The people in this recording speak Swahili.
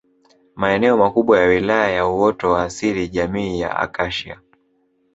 Maeneo makubwa ya Wilaya ya uoto wa asili jamii ya Akashia